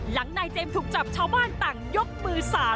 นายเจมส์ถูกจับชาวบ้านต่างยกมือ๓